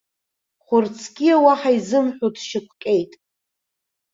Хәарцкьиа уаҳа изымҳәо дшьақәҟьеит.